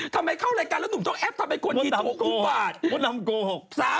ทำไมเข้ารายการแล้วหนุ่มต้องแอบทำให้กวนที่ถูกกูปาด